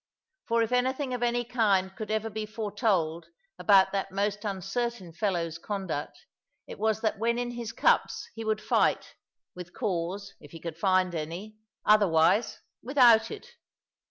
For if anything of any kind could ever be foretold about that most uncertain fellow's conduct, it was that when in his cups he would fight with cause, if he could find any; otherwise, without it.